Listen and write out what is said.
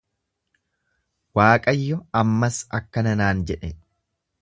Waaqayyo ammas akkana naan jedhe.